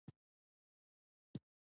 پادري وویل: په خوړنځای کې دي تشه محسوسيږي.